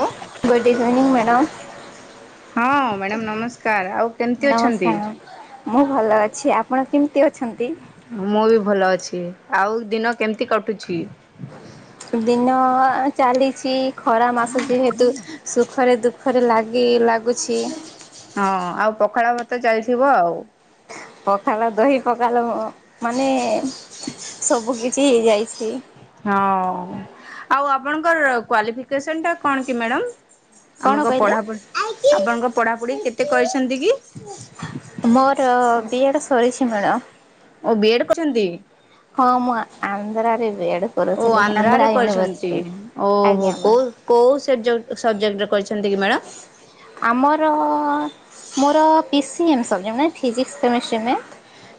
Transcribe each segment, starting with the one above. ଓ good evening madam. Madam ନମସ୍କାର ଆଉ କେମିତି ଅଛନ୍ତି? ମୁଁ ଭଲ ଅଛି ଆପଣ କେମିତି ଅଛନ୍ତି? ମୁଁ ବି ଭଲ ଅଛି ଆଉ ଦିନ କେମିତି କଟୁଛି? ଦିନ ଚାଲିଛି ଖରା ମାସ ଯେହେତୁ ସୁଖରେ ଦୁଃଖରେ ଲାଗି ଲାଗୁଛି। ହଁ ଆଉ ପଖାଳ‌ ଭାତ ଚାଲିଥିବ ଆଉ। ପଖାଳ ଦହି ପଖାଳ ମାନେ ସବୁ କିଛି ହେଇ ଯାଇଛି। ହଁ ଆଉ ଆପଣଙ୍କର କ୍ଵାଲିଫିକେସନ ଟା କଣ କି ମ୍ୟାଡ଼ାମ? କଣ ଆମଙ୍କ କହିଲେ? ପଢାପଢି ଆପଣଙ୍କ ପଢାପଢି କେତେ କରିଛନ୍ତି କି? ମୋର। ବିଏଡ୍ ସରିଛି ମ୍ୟାଡ଼ ଓ ବିଏଡ୍ କରଛନ୍ତି। ହଁ ମୁଁ ଆନ୍ଧ୍ର। ରେ ଓ ଆନ୍ଧ୍ରରେ କରିଛନ୍ତି ଓହୋ ଆଜ୍ଞା ମ୍ୟାମ୍ କୋଉ କୋଉ ସେ ସବଜେକ୍ଟରେ କରିଛନ୍ତି। କି ମ୍ୟାଡ଼ାମ? ଆମର ଅ ମୋର ପି ସି ଏମ୍ ସବଜେକ୍ଟ ମାନେ ଫିଜିକ୍ସ କେମିଷ୍ଟ୍ରି ନୁଏ।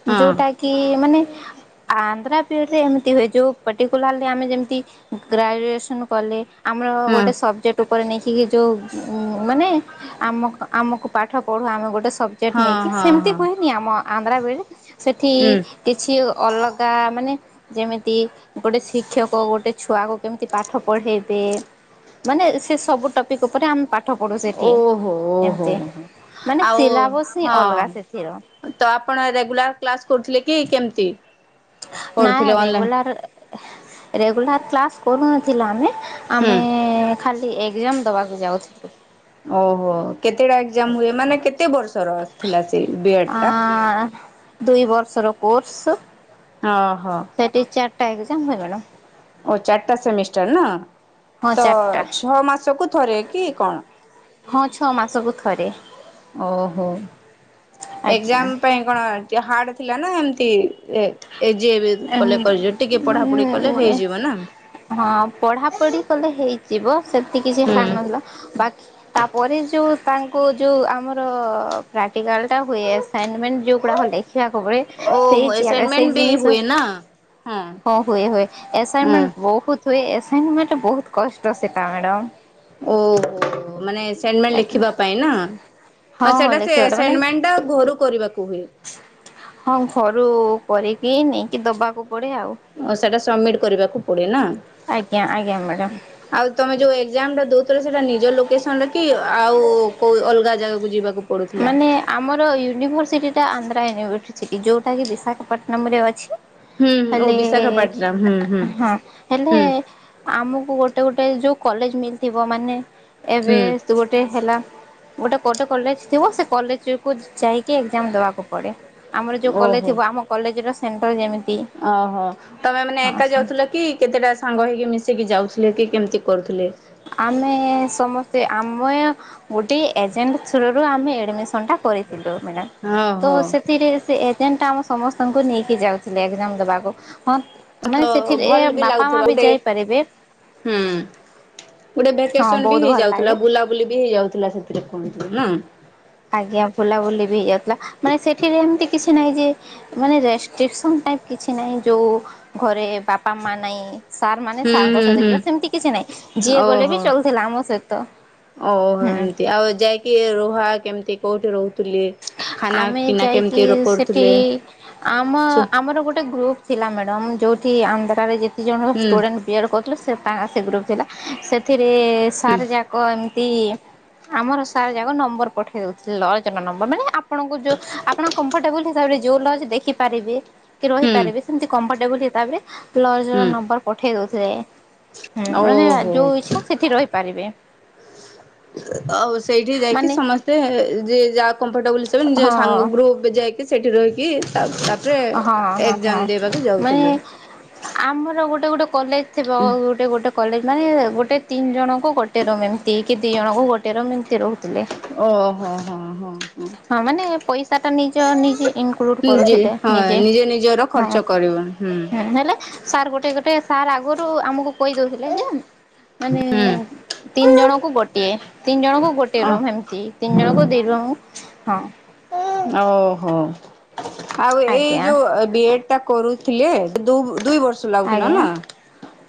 ହଁ ଯୋଉଟା କି ମାନେ ଆନ୍ଧ୍ରା। ବିଏଡ୍ ଏମତି ହୁଏ ଯେଉ ପର୍ଟିକୁଲାର ଆମେ ଯେମିତି ଗ୍ରାଜୁଏସନ୍ କଲେ। ଆମର ହଁ ଗୋଟେ ସବଜେକ୍ଟ ଉ ପରେ ନେଖିକି ଯୋଉ। ଉ ମାନେ ଆମ ଆମକୁ ପାଠ ପଢୁ ଆମେ ଗୋଟେ ସବଜେକ୍ଟ ହଁ ନେଇକି ହଁ ସେମିତି ହଁ ହୁଏନି ଆମ ଆନ୍ଧ୍ରାବେଳେ। ସେଠି ହୁଁ। କିଛି ଓ ଅଲଗା ମାନେ ଯେମିତି ଗୋଟେ ଶିକ୍ଷକ ଗୋଟେ ଛୁଆକୁ କେମିତି ପାଠ ପଢ଼େଇବେ। ମାନେ ସେ ସବୁ ଟପିକ୍ ଉପରେ ଆମ ପାଠ ପଢୁ ସେଠି ଓହୋ ଓହୋ ଏମିତି ମାନେ ଆଉ ସିଲାବସ୍ ହିଁ ଅଲଗା ହଁ ସେଥିର। ତ ଆପଣ ରେଗୁଲାର କ୍ଲାସ କରୁଥିଲେ। କି କେମିତି ନାଇଁ କରୁଥିଲେ ଅନଲାଇନ୍ ରେଗୁଲାର ରେଗୁଲାର କ୍ଲାସ କରୁନଥିଲା ଆମେ। ହୁଁ। ଆମେ ଏଁ ଖାଲି ଏକ୍ଜାମ ଦବାକୁ। ଯାଉଥିଲୁ। ଓହୋ କେତେଟା ଏକ୍ଜାମ ହୁଏ। ମାନେ କେତେ ବର୍ଷରଥିଲା ସୋ ବିଏଡ୍ ଆଁ ଟା। ଦୁଇ ବର୍ଷର କୋର୍ସ। ହଁ। ସେଠି ଚା ରିଟା ହୁଏ ମ୍ୟାଡ଼ ଓ ଚାରିଟା ସେମିଷ୍ଟାର ନା। ହଁ ତ ଚାରିଟା ଛଅ ମାସ କୁ ଥରେ କି କଣ। ହଁ ଛଅ ମାସକୁ ଥରେ। ଓହୋ ଆଜ୍ଞା। ଏକ୍ଜାମ ପାଇଁ କଣ। ହାଡ୍ ଥିଲା ନା ଏମତି। କଲେ ହେଇଯିବ ନା ହଁ ପଢାପଢି କଲେ ହେଇଯିବ। ସେତି କିଛି ହାଡ୍ ହୁଁ। ନଥିଲା ବାକି ତାପରେ ଯେଉଁ ତାଙ୍କୁ ଯେଉଁ ଆମର ପ୍ରାକ୍ଟିକାଲ ଟା ହୁଏ। ଆସାଇନମେଣ୍ଟ ଯେଉଁଗୁଡ଼ା ହେଲେ। ଆକୁ ହୁଏ ସେଇ ଓହୋ ସେଇ ଆସାଇନମେଣ୍ଟ ବି ଜିନିଷ ହୁଏ ନା ହଁ ହୁଏ ହୁଏ ହଁ ଆସାଇନମେଣ୍ଟ ବହୁତ ହୁଏ ଏଟା ବହୁତ କଷ୍ଟ ସେଟା ମ୍ୟାଡ଼ାମ। ଓ ମାନେ ସେଣ୍ଡ ମେ ଆଜ୍ଞା ଲେଖିବା ପାଇଁ ନା ହଁ ହଁ ସେଟାସେ ଲେଖିବାଟା ମାନେ ସେଣ୍ଟ ମେଟ ଟା ଘରୁ କରିବାକୁ ହୁଏ। କିଇ ନେଇକି ଦବାକୁ ପଡ଼େ ଆଉ। ଓ ସେଇଟା ସବମିଟ କରିବାକୁ ପଡେ ନା। ଆଜ୍ଞା ଆଜ୍ଞା ମ୍ୟାଡ଼ାମ ଆଉ ତମେ ଯୋଉ ଏକଜାମ ଟା ଦଉଥିଲ ସେଟା ନିଜ ଲୋକେସନ ରେ କି? ଆଉ କୋଉ ଅଲଗା ଜାଗା ଯିବାକୁ ପଡୁଥିଲା ମାନେ ଆମର ୟୁନିଭରସିଟି ଟା ଆନ୍ଧ୍ରା ୟୁନିଭରସିଟି। ଯଉଟା କି ବିଶାଖାପଟନମ ରେ ଅଛି। ହୁଁ ଓ ହେଲେ ବିଶାଖାପାଟନମ୍ ହୁଁ ହୁଁ ହଁ ହେଲେ ହୁଁ। ଆମକୁ ଗୋଟେ ଗୋଟେ ଯେଉଁ କଲେଜ ମିଲ୍ଥିବ ମାନେ ଏବେ ହୁଁ ଗୋଟେ ହେଲା ଗୋଟେ କୋଟେ କଲେଜ ସେ କଲେଜକୁ ଯାଇ ଏଜାମ ଦବାକୁ ପଡେ। ଆମର ଯୋଉ କଲେଜ ଓହୋ ଥିବ ଆମ କଲେଜ ର ସେଣ୍ଟ୍ର ଯେମିତି ଓହୋ ତମେ ମାନେ ହଁ ଏକା ସେମିତି। ଯାଉଥିଲ କି କେତେଟା ସାଙ୍ଗ ହେଇକି ମିଶେଇିକି ଯାଉଥିଲ। କି କେମିତି କରୁ ଆମେ ସମସ୍ତେ ଆ ଆମ ଗୋଟେ ଏଜେଣ୍ଟ ଥରୋ ରୁ ଆମେ ଆଡମିଶନ୍ କରିଥିଲୁ ମ ତ ଓହୋ ସେଥିରେ ଯେନ୍ତା ଆମ ସମସ୍ତଙ୍କୁ ନେଇକି ଯାଉଥିଲେ ଏକ୍ଜାମ ଦେବାକୁ। ହଁ ତ ମାନେ ସେଠରେ ଏ ଭଲ ବି ବାପା ମା ଲାଗୁଥିବ ବି ଗୋଟେ ଯାଇପାରିବେ। ହୁଁ ଗୋଟେ ହଁ ଭେକେସନ ବି ବହୁତ ଭଲ ହେଇଯାଉଥିଲା ଲାଗେ ବୁଲାବୁଲି ବି ହେଇଯାଉଥିଲା। ସେ ନା ଆଜ୍ଞା ବୁଲାବୁଲି ବି ହେଇଯାଉଥିଲା। ମାନେ ସେଠିରେ ଏମତି କିଛି ନାହିଁ ଯେ ମାନେ ରେଷ୍ଟ୍ରିକସନ ଟାଇପ କିଛି ନାହିଁ ଯୋଉ ଘରେ ବାପା ମା ନାଇଁ ସାର୍ ମାନେ ହୁଁ ସାର୍ଙ୍କ ହୁଁ ସହିତ ହୁଁ ଯିବା ସେମିତି କିଛି ନାହିଁ ଯିଏ ଗଲେ ବି ଓହୋ ଚଳୁଥିଲା ଆମ ସହିତ ଓହୋ ହୁଁ। ଏମିତି ଆଉ ଯାଇକି ରୁହା କେମିତି କଠ ରହୁଛି ଆମେ ଯାଇକି ସେଠି କରୁଥିଲେ? ଆମ ହୁଁ ଆମର ଗୋଟେ ଗ୍ରୁପ ଥିଲା ମ୍ୟାଡ଼ମ୍ ଯୋଉଠି ଆନ୍ଧ୍ରାରେ ଯେ ସେ ଜଣ ହୁଁ ଷ୍ଟୁଡେଣ୍ଟ ବିଏଡ଼ କରିଥିଲେ ସେ ଗ୍ରୁପ ଥିଲା ସେଥି ସାରଜା କମତି ଆମର ସାର୍ ଯାକ ନମ୍ବର ପଠେଇ ଦଉଥିଲେ ଲଜନ ନମ୍ ମାନେ ଆପଣଙ୍କୁ ଯୋଉ ଆପଣ କମ୍ଫଟେବଲ ହିସାବରେ ଯୋଉ ଲଜ ଦେଖିପାରିବେ କି ହୁଁ ରହିପାରିବେ ସେମିତି କମ୍ ଫ ତାପ୍ ରେ ଲଜ୍ ର ହୁଁ। ନମ୍ବର୍ ପଠେଇ ଦେଉ ସେ ହୁଁ ମାନେ ଓହୋ ଯୋଉ ଇଚ୍ଛା ସେଠି ରହିପାରିବେ। ଆଉ ସେଇଠି ଯାଇକି ମାନେ ସମସ୍ତେ ଯି ଯା କମ୍ ଫ ଟେବୁଲ୍ ସେବି ନିଜ ହଁ ସାଙ୍ଗ ଗ୍ରୁପ ଯାଇକି ସେଠି ରହିକି ତାପରେ ହଁ ହଁ ହଁ ଏଗ୍ଜାମ୍ ଦେବାକୁ ଯାଉଥିଲି। ମାନେ ଆମର କଲେଜ୍ ମାନେ ଗୋଟେ ତିନ୍ ଜଣଙ୍କୁ ଗୋଟେ ରମ୍ ଏମତି କି ଦି ଜଣଙ୍କୁ ଗୋଟେ ରମ୍ ଏମତି ରହୁଥିଲେ। ଓହୋ। ହଁ ହଁ ହଁ ମାନେ ପଇସା ଟା ନିଜ ନିଜେ ଇନକ୍ଲୁଡ ହଁ ଯେ କରୁଥିଲେ ହଁ ନିଜେ ନିଜର ହଁ ଖର୍ଚ୍ଚ କରିବ ହୁଁ ହେଲେ ସାର୍ ଗୋଟେ ଗୋଟେ ସାର୍ ଆଗରୁ ଆମକୁ କହି ଦୋଉଥିଲେ ଯେ ମାନେ ହୁଁ ତିନ୍ ଜଣ ଗୋଟିଏ ତିନି ଜଣଙ୍କୁ ଗୋଟିଏ ଅ ରୁମ୍ ଏମିତି ତିନି ଜଣଙ୍କୁ ଦି ଜଣଙ୍କୁ। ହଁ। ଓହୋ ଆଉ ଏଇ ଆଜ୍ଞା ଯୋଉ ବିଏଡ୍ ତା କରୁଥିଲେ। ଦୁଇ ଦୁଇ ବର୍ଷ ଲାଗୁଥିଲା ଆଜ୍ଞା ନା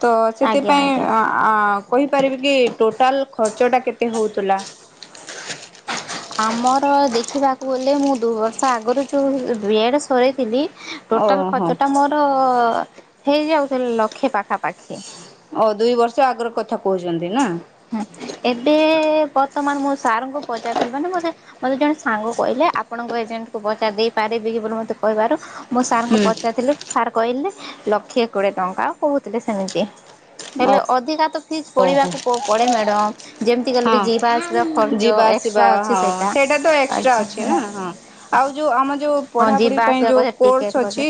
ତ ଆଜ୍ଞା ସେଥିପାଇଁ ଆଜ୍ଞା। ଆଁ ଆ କହିପାରିବି ଟୋଟାଲ ଖର୍ଚ ଟା କେତେ ହଉଥୁଲା? ଆମର ଦେଖିବାକୁ ଗଲେ ମୁଁ ଦୁଇ ବର୍ଷ ଆଗରୁ ଯେଉଁ ବି ଏଡ଼୍ ସରେଇଥିଲି ଟୋଟାଲ୍ ଓହୋ ଖର୍ଚ୍ଚ ଟା ମୋର ଓ ହେଇଯାଉ ତାଲେ ଲକ୍ଷେ ପାଖା ଓ ଦୁଇ ବର୍ଷ ଆଗରୁ କଥା କୋହୁଛନ୍ତି ନା। ଏବେ ବର୍ତ୍ତମାନ ମୁଁ ସାର୍ଙ୍କୁ ପଚାରିଥିଲିାନେ ମୋତେ ମୋତେ ଜଣେ ସାଙ୍ଗ କହିଲେ ଆପଣଙ୍କ ଏଜେଣ୍ଟ୍ କୁ ପଚାର ଦେଇ ପାରିବି କି ବୋଲି ମତେ କହିବାରୁ। ମୋ ସାର୍ଙ୍କ ହୁଁ ପଚାରଥିଲୁ ସାର୍ କହିଲେ ଲକ୍ଷେ କୋଡିଏ ଟଙ୍କା କହୁଥିଲେ ସେମିତି ହେଲେ ଓ ଅଧିକା ତ କି ପଢିବାକୁ ଆସିବା ହଁ ଖର୍ଚ୍ଚ ଯିବା ଆସିବା ଏକ୍ସଟ୍ରା ଅଛି ହଁ ସେଇଟା ତ ଏକ୍ଟ୍ରା ଯିବା ଅଛି ଆସିବା ନା ହଁ ଆଉ ଯୋଉ ଆମ ଯୋଉ ହଁ ପଢାପଢି ଯିବା ପାଇଁ ଆସିବା ଯୋଉ କଲେ ଟିକେଟ କୋର୍ସ କଲେ ଅଛି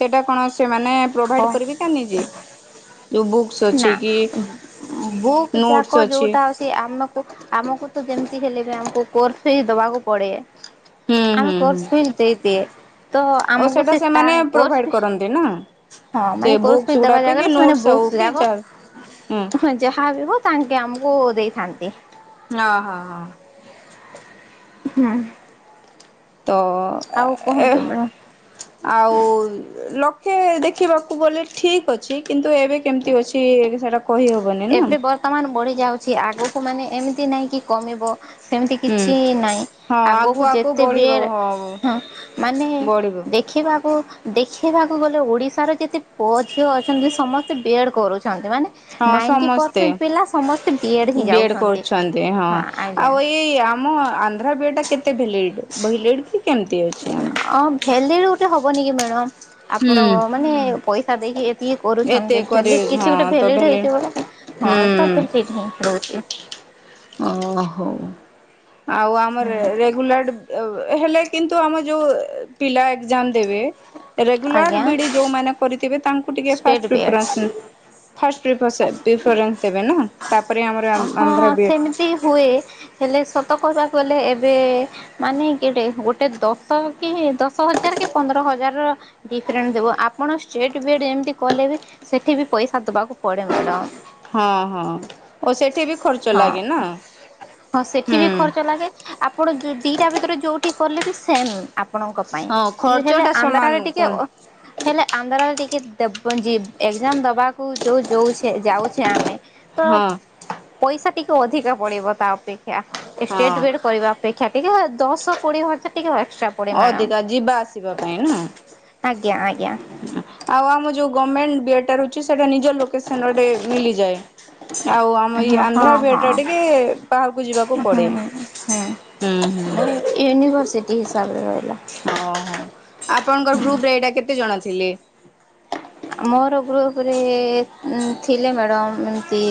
ସେଟା କଣ ସେମାନେ ପ୍ରୋଭାଇଡ ହଁ କରିବେ ଯୋଉ ବୁକ୍ସ୍ ନା ଅଛି କି? ଯାକ ଯୋଉଟା ଅଛି ସେ ଆମକୁ ଆମକୁ ତ ଯେମି ହେଲେ ବି ଆମକୁ କୋର୍ସ ଫି ଦବାକୁ ପଡେ। ହୁଁ ଆମେ ହୁଁ ହୁଁ କୋର୍ସ ଫି ଦେଇ ଦିଏ ତ ଓ ଆମକୁ ସେଟା ସେ ସେମାନେ ତାଙ୍କ ହଁ ପ୍ରୋଭାଇଡ କରନ୍ତି ନା କୋର୍ସ ସେ ବୁକ୍ସ ଫି ହଁ ଦେବା ଗୁଡାକ କି ଜାଗାରେ ସେମାନେ ନୋଟସ ଆଉ ବୁକସ୍ କି ଗୁଡାକ ଯା ହୁଁ ହଁ ଯାହା ଆଣିବ। ତାଙ୍କେ ଆମକୁ ଦେଇଥାନ୍ତି। ହଁ ହଁ ହଁ ହୁଁ ତ ଆଉ ଏ କୁହନ୍ତୁ ମ୍ୟାଡ଼ାମ ଆଉ ଲକ୍ ହେ ଦେଖିବାକୁ ଗଲେ ଠିକ ଅଛି କିନ୍ତୁ ଏବେ କେମିତି ଅଛି ସେଟା ଏବେ ବର୍ତ୍ତମାନ ବଢି ଯାଉଛି ଆଗକୁ ମାନେ ଏମିତି ଏମିତି ନାହିଁ କି କମିବ ସେମିତି ହୁଁ। କିଛି ନାହିଁ ଆଗକୁ ଯେତେ ବି ହଁ ମାନେ ବଢିବ ଦେଖିବାକୁ ଦେଖିବାକୁ ଗଲେ ଓଡ଼ିଶା ଓଡିଶା ରେ ଯେତେ ପୁଅ ଝିଅ ଅଛନ୍ତି ସମସ୍ତେ ବିଏଡ କରୁଛନ୍ତି ମାନେ ହଁ ନାଇଣ୍ଟି ସମସ୍ତେ ପରସେଣ୍ଟ ପିଲା ସମସ୍ତେ ବିଏଡ଼୍ ହିଁ ବିଏଡ୍ ଯାଉଛନ୍ତି। କରୁଛନ୍ତି ହଁ ଆଉ ଏଇ ଆମ ଆନ୍ଧ୍ର ବିଏଡ୍ କେତେ ଡିଲେଇଟ୍ ଅ ଭେଲିଡ ଗୋଟେ ହବ ହବନି କି ମ୍ୟାଡ଼ମ୍ ହୁଁ ଆପଣ ମାନେ ପଇସା ଦେଇକି ଏତିକି ଏତେ କରୁଛନ୍ତି ଭେଲିଡ କରିବେ କିଛି ହଁ ଗୋଟେ ତ ଭେଲିଡ ଭ୍ୟାଲିଡ ହେଇଥିବ ନା ହଁ ହୁଁ ତ ରହୁଛି। ଓ ହୋ ଆଉ ଆମର ରେଗୁଲାର ହେଲେ କିନ୍ତୁ ଆମ ଯୋଉ ପିଲା ଏକଜାମ୍ ଦେବେ ରେଗୁଲାର ଆଜ୍ଞା ବିଏଡ୍ ଯୋଉମାନେ କରିଥିବେ ତାଙ୍କୁ ଟିକେ state first BEd difference first difference ଦେବେ ହେଲା ତାପରେ ଆମର ଆନ୍ଧ୍ର ବିଏଡ୍ ଏମିତି ହୁଏ ହେଲେ ସତ କହିବାକୁ ଗଲେ ଏବେ ମାନେ ଗୋଟେ ଦଶ କି ଦଶ ଦଶ ହଜାର କି ପନ୍ଦର ହଜାର ଡିଫରେଣ୍ଟ ଥିବ ଆପଣ ଷ୍ଟେଟ୍ ବିଏଡ୍ ଏମିତି କଲେ ବି ସେଠି ବି ପଇସା ଦବାକୁ ପଡେ ମଧ୍ୟ ହଁ ହଁ ଓ ସେଠି ବି ଖର୍ଚ୍ଚ ହଁ ଲାଗେ ନା ହଁ ସେଠି ହୁଁ ବି ଖର୍ଚ୍ଚ ଲାଗେ ଆପଣ ଦିଟା ଭିତରେ ଯୋଉଠି କଲେ ବି ସେମ୍ ଆପଣଙ୍କ ପାଇଁ ହଁ ଖର୍ଚ୍ଚ ହେଲେ ଟା ଆନ୍ଧ୍ରରେ ସମାନ ଟିକେ କୁହନ୍ତୁ ହେଲେ ଆନ୍ଧ୍ରାରେ ଟିକେ ଏକ୍ଜାମ ଦେବାକୁ ଯୋଉ ଯଉଛେ ଯାଉଛେ ଆମେ ତ ହଁ ପଇସା ଟିକେ ଅଧିକ ପଡିବ ତା ଅପେକ୍ଷା ଏ ହଁ ଷ୍ଟେଟ ବିଏଡ୍ କରିବା ଅପେକ୍ଷା ଟିକେ ଦଶ କୋଡିଏ ହଜାର ଟିକେ ଏକ୍ସଟ୍ରା ପଡେ ମ୍ୟାଡ଼ାମ। ଅଧିକା ଯିବା ଆସିବା ପାଇଁ ନୁହଁ। ଆଜ୍ଞା ଆଜ୍ଞା ଜଉ ଗମେଣ୍ଟ ବି ସେଟା ନିଜ ଲୋକସନଟେ ମିଲିଯାଏ। ହ ହଁ ହଁ ହଁ ବାହାରକୁ ଯିବାକୁ ହୁଁ ପଡେ। ହୁଁ ହୁଁ ୟୁନିଭର୍ସିଟି ହିସାବରେ ରହିଲା। ଓହୋ ଆପଣଙ୍କର ଗ୍ରୁପରେ ଏଇଟା କେତେ ଜନ ଥିଲେ। ମୋର ଗ୍ରୁପରେ ଥିଲେ ମ୍ୟାଡ଼ମ୍ ଏମିତି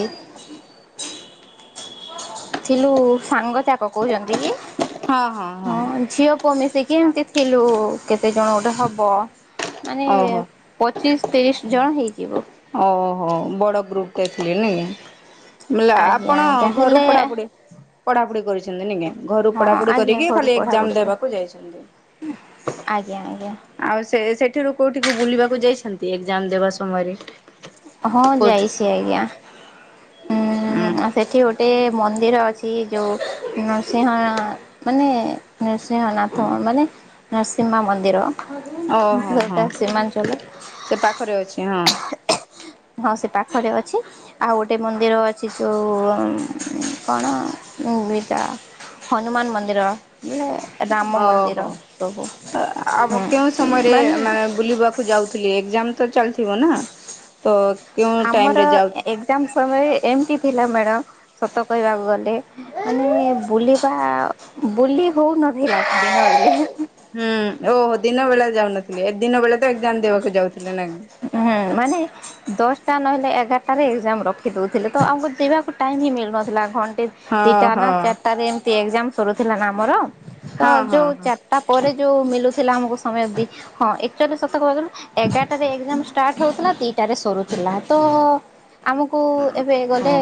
ଥିଲୁ ସାଙ୍ଗ ତ୍ୟାକ କହୁଛନ୍ତି କି? ହଁ ଝିଅ ପୁଅ ମିଶିକି ଥିଲୁ କେତେଜଣ ଗୋଟେ ହେବ ମାନେ ଓହୋ। ପଚିଶ ତିରିଶ ଜଣ ହେଇଛି। ଥିବ। ଓହୋ ବଡ ଗ୍ରୁପ ଟ ଥିଲେନି ମ ଆଜ୍ଞା ଆପଣ ଆଜ୍ଞା ଘରୁ ହେଲେ ପଢାପଢି ପଢ଼ାଢି କରିଛନ୍ତି ନାଇକି ଘରୁ ହଁ ପଢାପଢି ଆଜ୍ଞା କରିକି ଘରୁ ଖାଲି ଏକ୍ଜାମ ପଢ଼ାପଢ଼ି ପାଇଁ। ଦେବାକୁ ଯାଇଛନ୍ତି। ଆଜ୍ଞା ଆଜ୍ଞା ଆଉ ସେ ସେଠିରୁ କୋଉଠିକୁ ବୁଲିବାକୁ ଯାଇଛନ୍ତି? ଏକ୍ଜାମ ଦେବା ସମୟରେ ହଁ କୋଉଠି? ଯାଇଛି ଆଜ୍ଞା ଉଁ ହୁଁ ସେଠି ଗୋଟେ ମ ମନ୍ଦିର ଅଛି ଯେଉଁ ନୃସିଂହ ମାନେ ନୃସିଂହନାଥ ମାନେ ନରସିଂହହା ମନ୍ଦିର ଓହୋ ହଁ ଯୋଉଟା ସୀମାଞ୍ଚଳ ସେ ପାଖରେ ଅଛି ହଁ। ହଁ ସେ ପାଖରେ ଅଛି ଆଉ ଗୋଟେ ମନ୍ଦିର ଅଛି ଯୋଉ କଣଟା ହନୁମାନ ମନ୍ଦିର। ବୋଲେ ରାମ ମନ୍ଦିର ଓହୋ ସବୁ ଆମ ହୁଁ କେଉଁ ସମୟରେ ମାନେ ବୁଲିବାକୁ ଯାଉଥିଲି ଏକଜାମ ତ ଚାଲିଥିବ ନା ତ କେଉଁ ଟାଇମ ଆମର ରେ ଯାଉଥି ଏକ୍ଜାମ ସମୟ ଏମିତି ଥିଲା ମ୍ୟାଡ଼ମ୍। ସତ କହିବାକୁ ଗଲେ ମାନେ ବୁଲିବା ବୁଲି ହଉନଥିଲା ଦିନ ବେଳେ ହୁଁ ଓହୋ ଦିନ ବେଳା ଯାଉନଥିଲି ଏ ଦିନ ବେଳେ ଏକଜମ ଦେବାକୁ ଯାଉଛି ହୁଁ ମାନେ ଦଶ ତା ନହେଲେ ଏଗାରଟାରେ ଏକ୍ଜାମ ରଖିଦଉଥିଲେ ତ ଆମକୁ ଯିବାକୁ ଟାଇମ୍ ହିଁ ମିଳୁନଥିଲା। ଘଣ୍ଟା ହଁ ଦିଟା ନା ହଁ ଚାରିଟାରେ ଏମତି ଏକଜାମ ସୁରୁଥିଲା ନା ଆମର ତ ହଁ ହଁ ଯୋଉ ହଁ ଚାରିଟା ପରେ ଯୋଉ ମଳୁଥିଲା ଆମକୁ ସମୟ ହଁ ଚ [inaudible] କହୁ ଥିଲୁ ଏଗାର ଷ୍ଟାର୍ଟ ହଉଥିଲା ଦିଟାରେ ସରୁଥିଲା ତ ଆମକୁ ଏବେ ଗଲେ ହଁ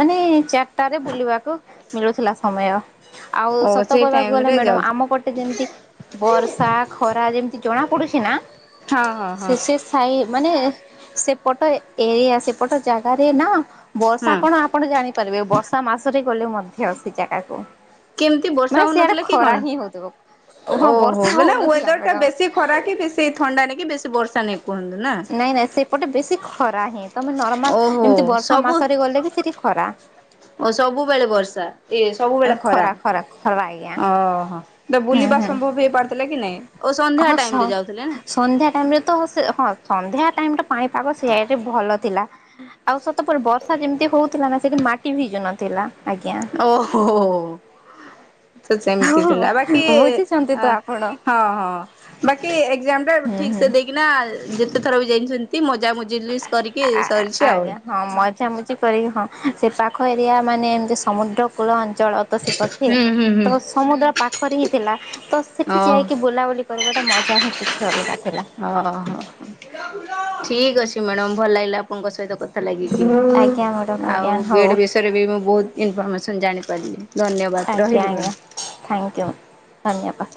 ମାନେ ଚାରିଟାରେ ବୁଲିବାକୁ ମିଳୁଥିଲା ସମୟ ଆଉ ଓ ସତ ସେଇ କହିବାକୁ ଟାଇମ ଗଲେ ରେ ମ୍ୟାଡମ ଯାଉଥି ଆମ ଗଟେ ଯେମିତି ବର୍ଷା ଖରା ଯେମତି ଜଣା ପଡୁଛି ନା ହଁ ହଁ ହଁ ଶେଶେ ସାଇ ମାନେ ସେପଟ ଏରିଆ ସେପଟ ଜାଗାରେ ନା ବର୍ଷା ହଁ କଣ ଆପଣ ଜାଣିପାରିବେ ବର୍ଷା ମାସରେ ଗଲେ ମଧ୍ୟ ସେ ଜାଗାକୁ କେମିତି ବର୍ଷା ମାନେ ସିଆଡେ ହଉନଥିଲା କି ଖରା କଣ ହିଁ ହଉଥିବ ହଁ ଓହୋ ବର୍ଷା ମାନେ ହଉନଥିଲା ୱେଦର ଟା ମ୍ୟାଡାମ ବେଶୀ ଖରା କି ବେଶୀ ଥଣ୍ଡା ନେକ୍ ବେଶୀ ବର୍ଷା ନେଇକ ନାଇଁ ନାଇଁ ସେପଟେ ବେଶୀ ଖରା ହିଁ ତମେ ନର୍ମାଲ ଓହୋ ଏମିତି ବର୍ଷା ସବୁ ମାସରେ ଗଲେ ବି ସେଠି ଖରା ଓ ସବୁବେଳେ ବର୍ଷା ଏ ସବୁବେଳେ ଖରା ଖରା ଖରା ଆଜ୍ଞା ଓହୋ ତ ହୁଁ ବୁଲିବା ହୁଁ ସମ୍ଭବ ହେଇପାରୁଥିଲା କି ନାଇଁ? ଓ ହଁ ଟାଇମ୍ ସନ୍ଧ୍ୟା ରେ ହଁ ଯାଉଥିଲେ ନା। ସନ୍ଧ୍ୟା ଟାଇମ୍ରେ ତ ହଁ ସନ୍ଧ୍ୟା ଟାଇ ଟା ପାଣିପାଗ ସିଆଡେ ଭଲ ଥିଲା ଆଉ ସତ ପରେ ବର୍ଷା ଯେମିତି ହଉଥିଲା ନା ସେଇଠି ମାଟି ଭିଜୁ ନଥିଲା। ଆଜ୍ଞା ଓହୋ ହ ତ ସେମିତି ହଁ ଥିଲା ବାକି ବୁଝିଛନ୍ତି ତ ହଁ ଆପଣ। ହଁ ବାକି ଏକ୍ଜାମ ଟା ହୁଁ ଠିକ ହୁଁ। ସେ ଦେଇକିନା ଯେତେ ଥର ବି ଯାଇଛନ୍ତି। ତି ମ ଆଜ୍ଞା ହଁ ମଜାମଝି କରିକି ହଁ ସେ ପାଖ ଖରିଆ ମାନେ ଏମିତି ସମୁଦ୍ର କୂଳ ଜଳ ତୋ ସେ ପକ୍ଷେ ହୁଁ ହୁଁ ହୁଁ ତ ସମୁଦ୍ର ପାଖରେ ହିଁ ଥିଲା। ତ ସେଠି ହଉ। ଯାଇକି ବୁଲାବୁଲି କରିବାଟା ମଜା ହିଁ କିଛି ଅଲଗା ଥିଲା। ହ ହ ଠିକ ଅଛି ମ୍ୟାଡ଼ାମ ଭଲ ଲାଗିଲା ଆପଣଙ୍କ ସହିତ କଥା ହେଇକି ଆଜ୍ଞା ମ୍ୟାଡ଼ାମ ହେଲାକି ଆଉ ଆଜ୍ଞା ହଉ ବେଡ୍ ବିଷୟରେ ବି ମୁଁ ବହୁତ ଏନଫୋର୍ସମେସନ ଜାଣି ପାରିଲି ଧନ୍ୟବାଦ ଆଜ୍ଞା ରହିଲି ଆଜ୍ଞା ମାଡାମ୍ ଥ୍ୟାଙ୍କୟୁ ଧନ୍ୟବାଦ।